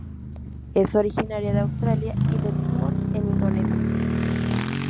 Es originaria de Australia y de Timor en Indonesia.